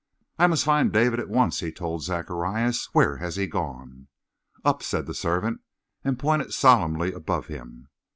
"I must find David at once," he told Zacharias. "Where has he gone?" "Up," said the servant, and pointed solemnly above him.